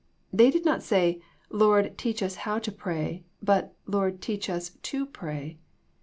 They did not say, Lord, teach us how to pray, but, " Lord, teach us to pray."